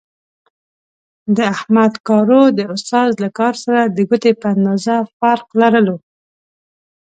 د احمد کارو د استاد له کار سره د ګوتې په اندازې فرق لرلو.